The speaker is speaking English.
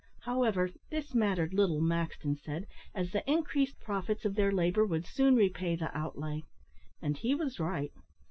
However, this mattered little, Maxton said, as the increased profits of their labour would soon repay the outlay. And he was right.